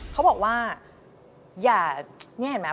เขาบอกว่านี่เห็นไหม